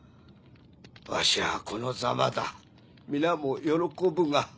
わしはこのザマだ皆も喜ぶが。